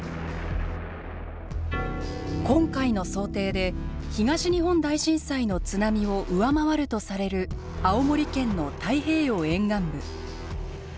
今回の想定で東日本大震災の津波を上回るとされる青森県の太平洋沿岸部。